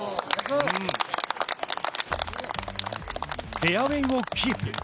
フェアウエーをキープ。